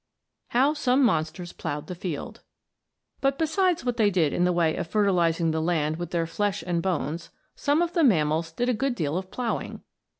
HOW SOME MONSTERS PLOUGHED THE FIELD But besides what they did in the way of fertilizing the land with their flesh and bones some of the mammals did a good deal of ploughing.